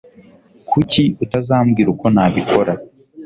Kuki utazambwira uko nabikora